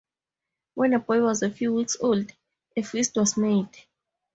When a boy was a few weeks old, a feast was made.